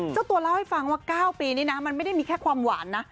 เจ้าตัวเล่าให้ฟังว่า๙ปีนี้นะมันไม่ได้มีแค่ความหวานนะ